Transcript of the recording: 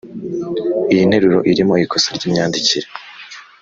Iyi nteruro irimo ikosa ry imyandikire